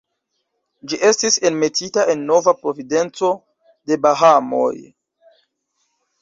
Ĝi estis enmetita en Nova Providenco de Bahamoj.